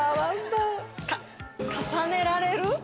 あっ重ねられる。